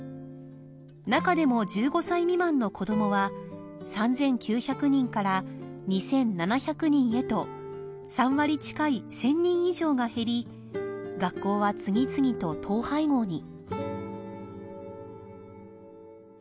なかでも１５歳未満の子どもは３９００人から２７００人へと３割近い１０００人以上が減り学校は次々と統廃合に。